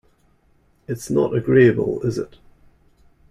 It's not agreeable, is it?